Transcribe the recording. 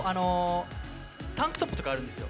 タンクトップとかあるんですよ。